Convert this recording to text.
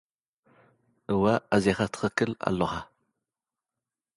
እወ፡ ኣዚኻ ትኽክል ኣሎኻ።